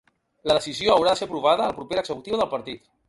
La decisió haurà de ser aprovada a la propera executiva del partit.